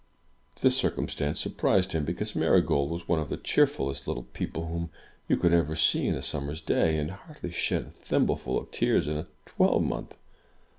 This circumstance surprised him, because Mary gold was one of the cheerfuUest little people whom you would see in a summer's day, and hardly shed a thimbleful of tears in a twelvemonth.